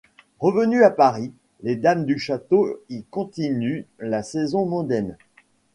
Revenues à Paris, les dames du château y continuent la saison mondaine...